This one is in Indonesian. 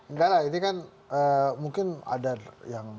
enggak lah ini kan mungkin ada yang